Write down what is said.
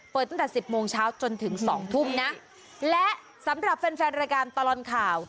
เปิดตั้งแต่๑๐โมงเช้าจนถึง๒ทุ่มนะและสำหรับแฟนรายการตลอดข่าว